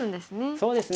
そうですね。